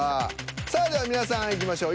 さあでは皆さんいきましょう。